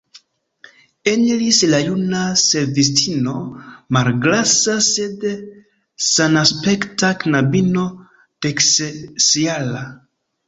Eniris la juna servistino, malgrasa, sed sanaspekta knabino deksesjara.